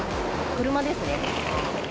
車ですね。